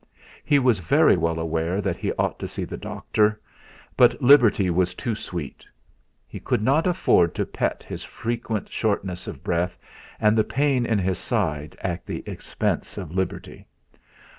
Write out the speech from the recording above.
He was very well aware that he ought to see the doctor, but liberty was too sweet. He could not afford to pet his frequent shortness of breath and the pain in his side at the expense of liberty.